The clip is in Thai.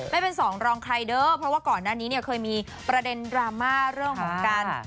ไม่เป็นสองรองใครเด้อเพราะว่าก่อนหน้านี้เนี่ยเคยมีประเด็นดราม่าเรื่องของการ